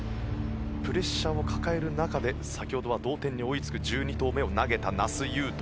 プレッシャーを抱える中で先ほどは同点に追いつく１２投目を投げた那須雄登。